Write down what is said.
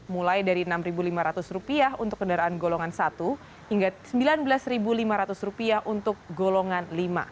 mulai dari rp enam lima ratus untuk kendaraan golongan satu hingga rp sembilan belas lima ratus untuk golongan lima